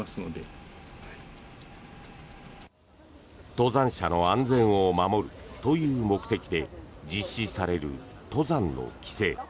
登山者の安全を守るという目的で実施される登山の規制。